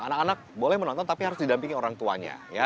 anak anak boleh menonton tapi harus didampingi orang tuanya